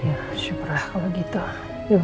ya syukurlah kalau gitu